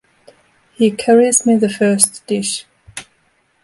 He carries me the first dish.